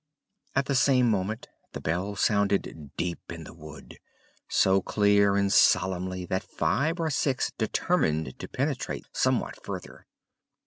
At the same moment the bell sounded deep in the wood, so clear and solemnly that five or six determined to penetrate somewhat further.